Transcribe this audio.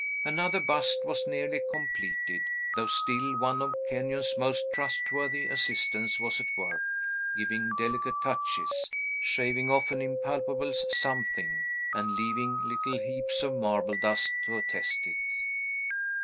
Another bust was nearly completed, though still one of Kenyon's most trustworthy assistants was at work, giving delicate touches, shaving off an impalpable something, and leaving little heaps of marble dust to attest it.